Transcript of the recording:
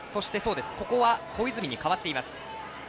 ここは小泉に代わっています。